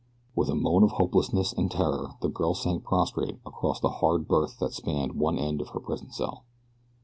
With a moan of hopelessness and terror the girl sank prostrate across the hard berth that spanned one end of her prison cell.